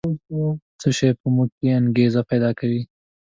څه شی په موږ کې انګېزه پیدا کوي؟